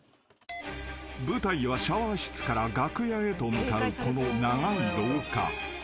［舞台はシャワー室から楽屋へと向かうこの長い廊下］